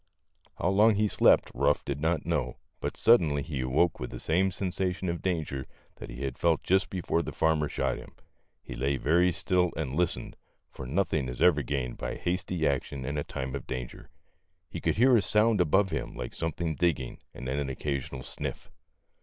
How long he slept Ruff did not know, but suddenly he awoke with the same sensation of danger that he had felt just before the farmer shot him. He lay very still and listened, for nothing is ever gained by hasty action in a time of danger. He could hear a sound above him like something digging and then an occa sional sniff.